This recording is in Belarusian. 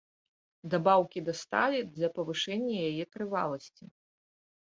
Дабаўкі да сталі для павышэння яе трываласці.